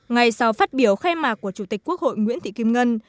ngay sau phát biểu khai mạc của chủ tịch quốc hội nguyễn thị kim ngân